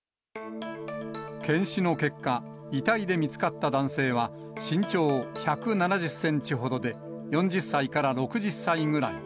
検視の結果、遺体で見つかった男性は、身長１７０センチほどで、４０歳から６０歳ぐらい。